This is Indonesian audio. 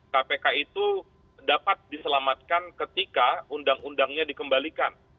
kpk itu dapat diselamatkan ketika undang undangnya dikembalikan